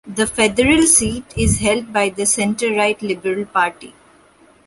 The federal seat is held by the centre-right Liberal Party.